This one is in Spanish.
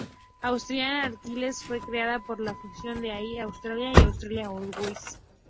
Austrian Airlines fue creada por la fusión de Air Austria y Austrian Airways.